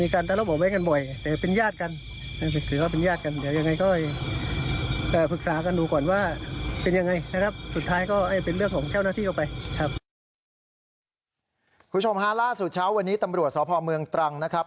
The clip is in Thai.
คุณผู้ชมฮะล่าสุดเช้าวันนี้ตำรวจสพเมืองตรังนะครับ